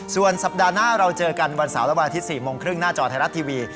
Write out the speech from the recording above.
ส่วนสัปดาห์หน้าเราเจอกันวันเสาร์และวันอาทิตย์๔โมงครึ่งหน้าจอไทยรัฐทีวี